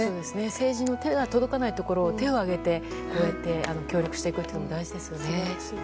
政治の手が届かないところ手を挙げてこうやって協力していくことも大事ですよね。